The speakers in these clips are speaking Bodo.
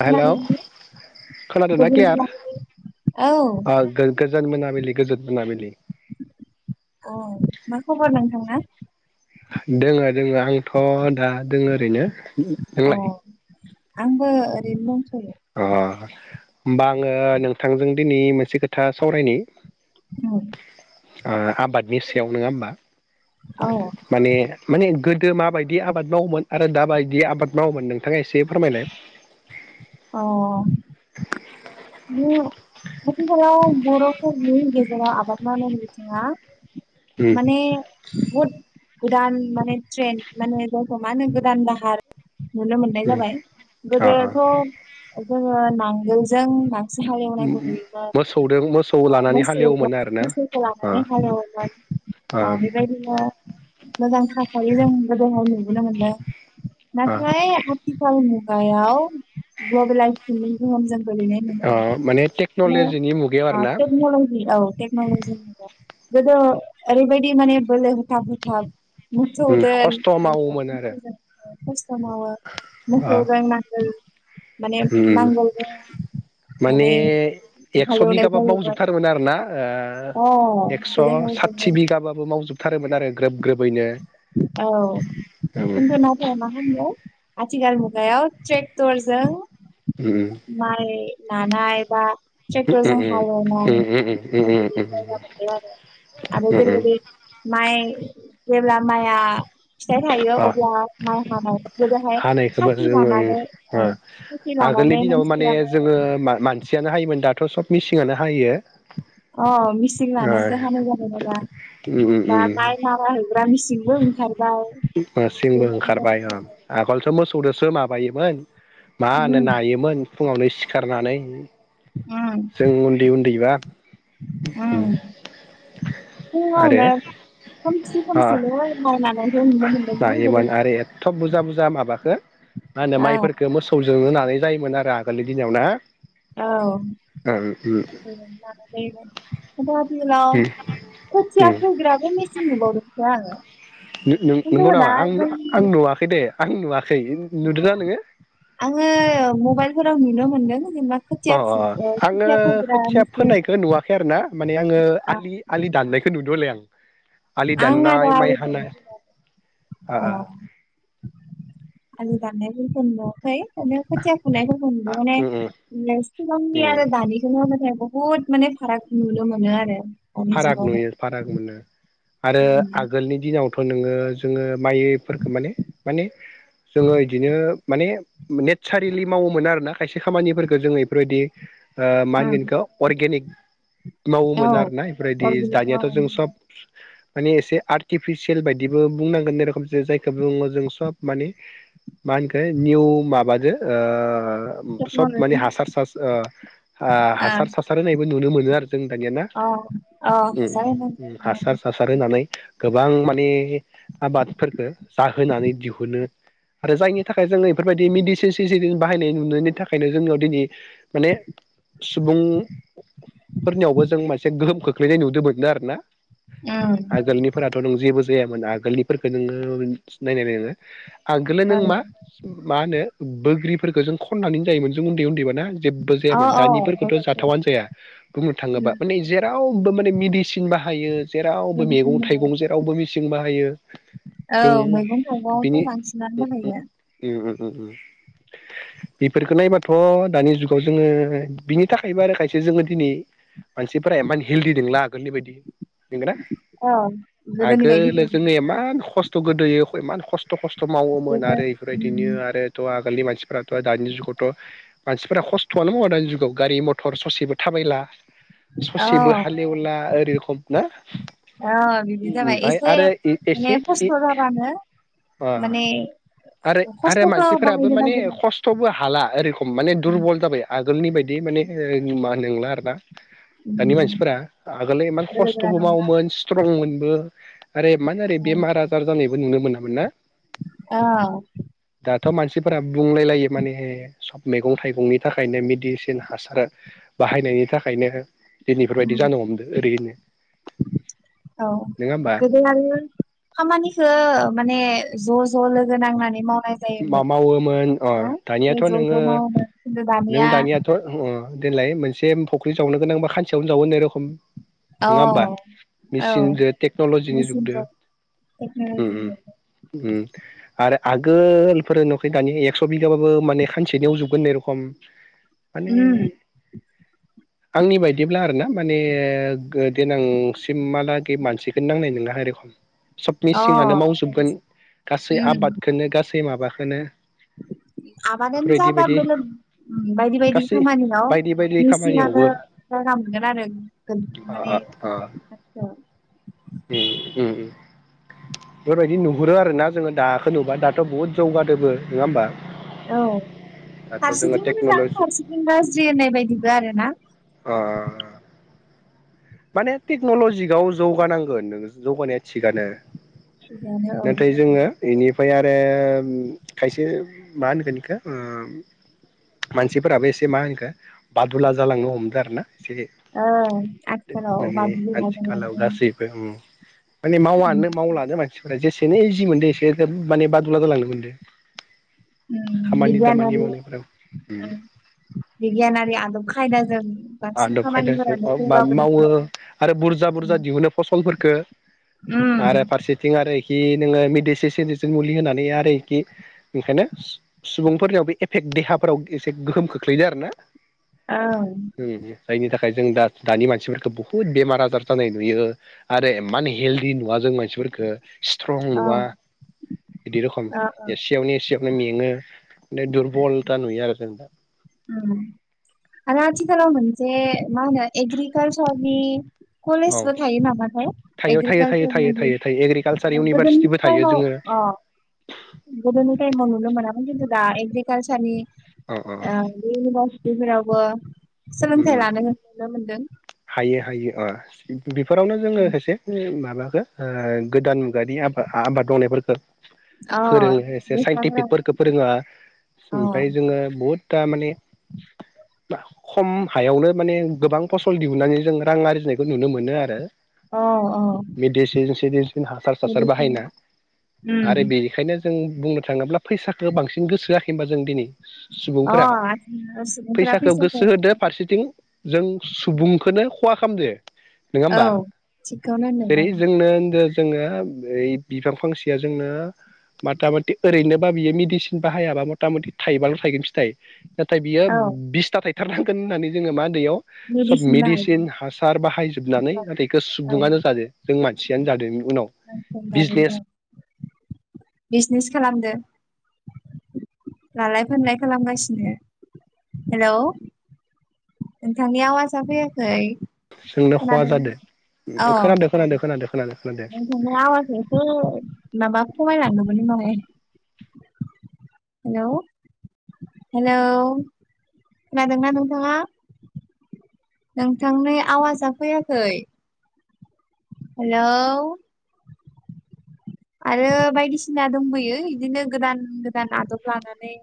हेलौ औ खोनादोंना क्लियार गोजोन मोना मोनाबिलि गोजोन मोनाबिलि औ मा खबर नोंथां दोङो दोङो आंथ' दा दों दङ ओरैनो औ नोंलाय आंबो ओरैनो दंथयो अ होमबा आङो नोंथांजों दिनै मोनसे खोथा सावरायनि औ आ आबादनि सायाव नङा होमबा औ माने माने गो गोदो माबायदि आबाद मावोमोन आरो दाबायदि आबाद मावोमोन नोंथाङा एसे फोरमायलाय अ आथिखालाव बर'फोरनि गेजेराव आबाद मावनाय बिथिङा उम माने बद गोदान माने ट्रेन माने जिखौ मानो गोदान दाहार नुनो मोननाय उम जाबाय अ गोजोन्थों नांगोलजों से हालेवनायखौ नुयोमोन मोसौदों मोसौ लानानै मोसौ हालेवोमोन आरोना मोसौखौ अ लानानै हालेवोमोन अ बेबायदिनो मोजां थायो जे मोनला दहाय नुबोना मोनला अ नाथाय आथिखाल मुगायाव ग्लबेलाइजेसन जों अ [unintelligible] माने टेक्न'लजिनि मुगायाव ओ आरो ना टेक्न'लजि औ टेक्नलजिनि गोदो ओरैबायदि माने बोलो होथाब - होथाब मोसौदोन खस्थ' माने मावोमोन आरो मोसौजों [unintelligible] [unintelligible] अ मोसौजों नांगोल माने उम नांगौ माने एक्स' बिगाबाबो जायोमोन मावजोबथारोमोन आरोना अ एक्स' गोदोहाय साथि जोङो बिगाबाबो मावजोबथार आरो ग्रोब ग्रोबैनो औ उम [unintelligible] आथिखाल मुगायाव ट्रेक्टरजों उम माइ नानाय बा उम ट्रेक्टरजों हाल उम एवनाय आरो उम उम जेरैबादि माइ जेब्ला माइआ फिथाइ थायो अ अब्ला माइ हानाय गोदोहाय हानायखौबो खासि जोङो लानानै ओ औ खासि लानानै मानसिफोरा माइ हायोमोन सियानो हायोमोन दाथ' सब मिसिनानो हायो। अ मिसिन ओ लानासो हानाय जाबाय ना दा बा माइ मारा होग्रा मिसि नबो ओं मिसिनबो ओंखारबाय फैबाय आगोलसो मोसौजोंसो माबा बायोमोन मा उम होनो नायोमोन फुङावनो सिखारनानै उम जों उन्दै - उन्दैबा उम आरो फुङावनो खोमसि- ओ खोमसिनो माय नानायखौ नुनो मोनदों ना गोदो? नायोमोन आरो एथ' बुरजा बुरजा माबाखो मा होनो माइफोरखो मोसौ जों होनानै जायोमोन आरो आगोलनि दिनाव ना। औ ओं उम खोथिया फोग्राबो मेसिन नुबावदोंसो [unintelligible] खिन्थु नंगौ नामा आं आं नुवाखै दे। आं नुवा आंङो मबाइलफोराव नुनो मोनदों। जेनेबा खोथिया अ अ आंङो खोथिया फोग्रा खोथिया मेचिन फोनायखौ नुवाखै आरो ना माने आंङो आं आलि-आलि दाननायखौ नुदोंहले आं। [inaudible] आलि दाननाय आरो माइ आलि हानाय दाननाय ओ अ ओ आलि दा ननायफोरखौ नुवा खै खोथिया फुनायखौ फोरखौ नुदो उम उम माने सिगांनि उम आरो दानिखौनो माने बहुत माने फाराग नुनो मोनो आरो। दानि फाराग नुयो फाराग मोनो आरो जुगावहाय आगोलनि दिनाव थ' नोंङो जोंङो माइफोरखौ माने माने जोंङो इदिनो माने नेचारेलि मावोमोन आरोना खायसे खामानिफोरखौ जोंङो बेफोरबायदि ओ मागनिखो अर्गेनिक औ मावोमोन आरोना। अर्गेनिक दानियााथ' जों सब माने एसे आर्टिफिसियेल बायदिबो बुंनांगोनेरखोम जे जायखौ बुङो जों सब माने मा होनखो निउ माबादो ओ सब माने टेक्न'लजि हासार सार ओ अ हासार सासार होनाय नुनो मोनो आरो जों दानियाना अ ए हासार हासार होनाय सा सार होना नै गोबां माने आबादफोरखो जाहोनानै दिहुनो आरो जायनि थाखाय जोंङो बेफोरबायदि मेदिसिन सिन बाहायनाय नुनायनि थाखायनो जोंनियाव दिनै माने सुबुंफोरनियावबो जों मोनसे गोहोम खो खोलैनाय नुदोंमोनो आरोना ओम आगोलनिफोराथ' नों जेबो जायामोन आगोलनिफोरखौ नोंङो नायनाय नोंङो आगोलो नों औ मा मा होनो बोग्रिफोरो जों खननानै जायोमोन जों उन्दै उन्दै जेबो औ जायामोन दानिफोरखौथ' जाथावनो जाया बुंनो थाङोबा माने जेराव रावबो माने मेडिसिन बाहायो। जेरावबो मैगं बायदिसिना बाहायो। थाइगं जेरावबो मेसिं बाहायो जों औ मैगं बिनि थाइगंआवथ' बांसिनानो बाहायो बेफोरखौ नायबाथ' दानि जुगाव जोङो बिनि थाखायबो आरो खायसे जोङो दिनै मानसिफोरा मान हेल्डि दंला आगोलनि बायदि नोंगोना औ गोदोनि बायदि आगोलो जोङो इमान खस्थ' गोदोयो इ खस्थ' खस्थ' थ' मावोमोन जेबो आरो उम, इफोरबायदिनो आरोथ' आगोलनि मानसिफ्रा द दानि जुगावथ' मानसिफोरा खस्थ'आनो मावो दानि जुगाव गारि मथर ससेबो थाबायला। औ जेबो हालेवला ओरैखम ना औ बिदि जाबाय ओमफफ्राय एसे आरो एसे माने खस्थ' जाबानो अ माने आरो आरो खस्थ'खौ मानसिफोराबो बाहायनो माने नागिरनांगौ खस्थ'बो हाला ओरै माने दुरबल जाबाय आगोलनि बायदि माने मा होन नोंला आरोना दानि गोनो मानसिफोरा आगोल इमान गोरा खस्थ'बो नंला मावोमोन स्ट्रंमोनबो आरो इमान आरो बेमार आजार जानाय नुनो मोनामोन ना। अ। दाथ' मानसिफोरा बुंलायलायो माने सब मैगं थाइगंनि थाखायनो मेडिसिन हासार बाहायनायनि थाखायनो दिनै इफोरबायदि जानो हमदो ओरैनो औ नोङा होमबा गोदो खामानिखौ माने ज' ज' लोगो नांनानै माव मा मावोमोन अ दानियाथ' गोदो ज' नोङो मावोमोन खिन्थु नों दानिया दानियाथ' अ। देलाय मोनसे फख्रि जावनो गोनां बा खानसेयावनो जावो होननाय रखम औ नोङा होमबा औ मेसिनजों टेक्न'लजिनि जुगदो मेसिनजों उम उम टेक्न'लजिजों उम आरो आग गोलफोर नुवाखै दानिया एकस' बिगाबाबो माने खानसेनो एवजोबगोन होननाय रखम माने उम आंनि बायदिब्ला आर ना माने देनांसिमहालागै मानसिखौनो नांनाय नङा ए रेखम। सबनि अ सिङानो मावजोबगोन गासै उम आबादखौनो गासै गासै माबाखौनो आबादानो बेफोरबायदि जाबा बायदि बेल बायदि बायदि गासै खामानियाव बायदि बायदि मेसिनानो खामानियावबो जायगा मोनगोन आरो माने। बेफोरबायदि नुहुरो आर ना जोङो दाखो नुबा दाथ' बुहुद जौगादोबो नङा होमबा। औ दाथ' जोङो फारसेथिं मोजां टेक्न'लजि फारसेथिं गाज्रि होननाय बायदिबो आरो ना। अ। माने टेक्न'लजिआव जौगानांगोन नों जौगानाया थिगानो औ। एनिफ्राय आरो खायसे मा होनगोन इखौ मानसिफोराबो एसे मा होनखो बादुला जालांनो हमदों आरो ना एसे ओं आ थिखालाव बादुला जालांदो उम माने मावानो मावलानो मान सिफोरा जेसेनो इजि मोनदों एसे माने बादुला जालांनो मोनदों उम खामानि दामानि बिगियानारि मावनायफोराव बिगियानारि आदब खायदाजों बांसिन आदब खायदाजों खामानिफोरानो अ बा मावो जौगाबोदोंबो आरो बुरजा बुरजा दिहुनो फसल फोरखो आरो उम फारसिथिं आरो आं कि नोङो मडिसि सिडिसिन मुलि होनानै आरो इखि ओंखायनो सुबुंफोरनियावबो एफेक्ट देहाफोराव एसे गोहोम खोख्लैदों आरो ना। औ जायनि थाखाय जों दा दानि मानसिफोरखौ बुहुत बेमार आजार जानाय नुयो आरो इमान हेलदि नुवा जों मानसिफोरफोरखो। स्ट्रं औ ओ नुवा बिदि रखम ओ एसेयावनो एसेयाव नो मेङो नो दुरबला था नुयो आरो जों दा आरो आथिखालाव मोनसे मा होनो एग्रिकालचार नि औ कलेजबो थायो नामाथाय थायो थायो थायो थायो एग्रिकालसारनि थायो थायो एग्रिकालसार [inaudible] गोदोनि इउनिभारसिटिबो थायो टाइमाव जोङो ओ गोदोनि टाइमाव नुनो मोनामोन खिन्थु दा ए [unintelligible] अ ओ बे‌ इउनिभार्सि बैफोरावबो सोलोंथाइ अ लानो नुनो मोनदों हायो हायो आ बेफोरावनो जोंङो एसे माबा ओ गोदान मुगानि आबा-आबाद मावनायफोरखो अ फोरोंङो एसे लेखाफोरा साइन्टिफिकफोरखौ फोरोंङो अ ओमफ्राय जोंङो बहुद थारमाने खम हायावनो माने गोबां फस फल दिहुननानै जों रां आर्जिनायखौ नुनो मोनो आरो औ औ [unintelligible] हासार हासार मेडिसिन बाहायना आरो उम बेनिखायनो जों बुंनो थांङोब्ला फैसाखौ बांसिन गोसो होयाखै होनबा जों दिनै अ सुबुंफोरा आथिखालाव सुबुंफोरा फैसाखौ गोसो होदो फारसेथिं जों बुंखोनो खहा खालामदो नोंङा औ होमबा थिगखौनो जेरै होनदों जोंनो होन्दो जोंङो ओइ बिफां फांसेया जोंनो बाथा बाथि ओरैनोबा बियो मेडिसिन बाहायाबा मथा मथि थाइबाल' थायगोन‌ फिथाय नाथाय बियो ओं औ बिसता थायो। थार थांगोन होननानै जोंङो मा दैयाव सब मेडिसिन हासार बाहायजोबनानै नाथाय एखौ औ सुबुंङानो जादों जों मानसियानो जादों उनाव मानसिफोर दानो औ बिजनेस बिजनेस खालामदो लालाय फोनलाय खालामगासिनो हेलौ नोंथांनि आवासा फैयाखै सोंनो खहा खोनादोंना? जादों खोनादों खोनादों खोनादों। नोंथांनि आवसा एसे माबा खमायलांदों [unintelligible] हेलौ हेलौ खोनादोंना नोंथाङा नोंथांनि आवाजा फैयाखै हेलौ आरो बायदिसिना दंबोयो इदिनो गोदान गोदान आदब लानानै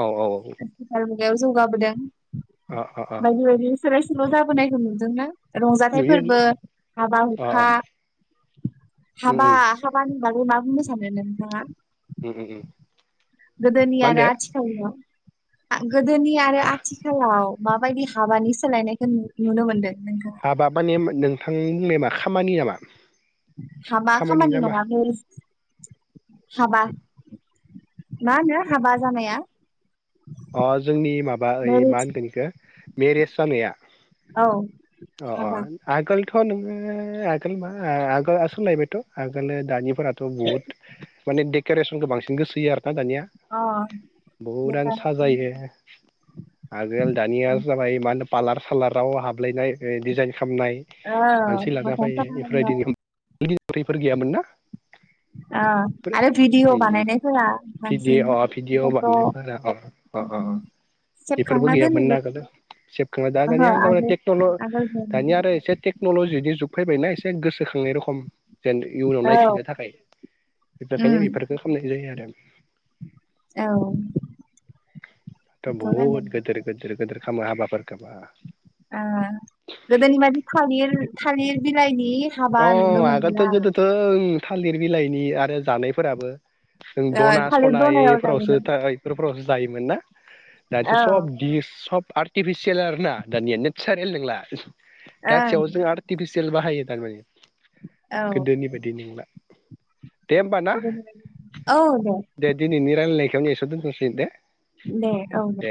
औ औ बेयाव जौगाबोदों अ अ अ सोलाइ सोल' जाबोनायखौ नुदोंना रंजाथाइ नुयो फोरबो हाबा अ अ हुखा उम हाबा उम हाबा होनबाथाय मा बुंनो सानो नोंथाङा? [unintelligible] गोदोनि मा आरो होनदो आथिखालनिया आह गोदोनि आरो हा आथिखालाव माबायदि हाबानि सोलायनायखौ नु-नुनो मोनदों नोंथाङा हाबा माने नोंथांनि बुंनायमा खामानि नामा हाबा खामानि ना मा नङालै हाबा मा होनो हाबा जानाया अह जोंनि माबा ओइ मा मेरिज होनगोन इखो मेरिस जानाया औ हाबा थ नोङो आगोल मा आगोलआ सोलायबायथ' आगोलो दानि फोराथ बहुत माने देग केरेसिनखौ बांसिन गोसोयो आर ना दानिया अ बहुदानो बेखौ जायो आगोल दानिया जाबाय मा होनो पालार सालाराव हाबलायनाय डिजाइन खामनाय औ मानसि लाना मोखां फैयो सोलोंनाय इफोरबायदि [unintelligible] फोर गैयामोन ना। ओ आरो भिडिअ उम उम बानायनायफोरा बांसिन फट'। अह अह अह बेफोरबो सेबखांना दोनो गैयामोन ना आगोलो बेफोरखौ सेबखांनाय दा दानिया ओहो जाबाय आगोल तेकनल' आगोल दानिया आरो एसे टेनकनल' [unintelligible] जुग फैबायना एसे गोसोखांनाय रखम। जेन इयुनाव औ नायफिननो थाखाय इफोरखायनो उम इफोरखौ खामनाय जायो आरो। [inaudible] औ। थ' बेखौ नायदों बहुद गोदोर गोदोर गोदोर खालामो हाबाफोरखो बा। ओ गोदोनि बायदि थालिर थालिर बिलाइनि हाबा नुनो अह मोनला आगोलथ' गोदोथ' ओं थालिर बिलाइनि आरो जानायफोराबो। जों ओ दना थालिर सना दनायाव इफोरावसो जायोमोन इफोरफोरावसो जायोमोन ना। [unintelligible] औ सब ओं दिस सब आर्ट। टिफिसियेल आरो ना दानिया नेचारेल नोंला। गाथियाव जों आर्थिपिसि सेल बाहायो थारमाने। औ गोदोनि बायदि नंला। दे होमबा ना गोदोनि बायदि औ दे दिनैनि रायलायनायखौ एस दोनथ'सै दे। दे औ दे।